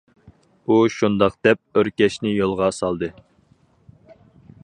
ئۇ شۇنداق دەپ ئۆركەشنى يولغا سالدى.